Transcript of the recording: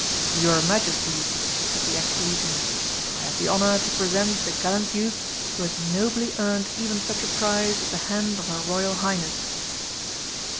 "Your Majesties," said the ex Regent, "I have the honour to present the gallant youth who has nobly earned even such a prize as the hand of her Royal Highness."